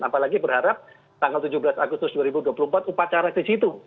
apalagi berharap tanggal tujuh belas agustus dua ribu dua puluh empat upacara di situ